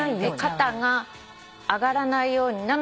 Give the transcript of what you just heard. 肩が上がらないように。